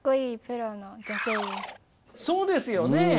そうですよね！